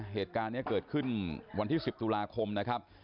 เหตุการณ์นี้เกิดขึ้นวันที่๑๐ตุลาคมนะครับ